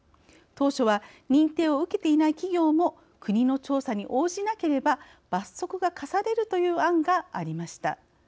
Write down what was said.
当初は、認定を受けていない企業も国の調査に応じなければ罰則が科されるという案がありました。